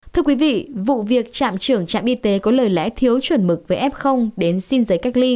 thưa quý vị vụ việc trạm trưởng trạm y tế có lời lẽ thiếu chuẩn mực về f đến xin giấy cách ly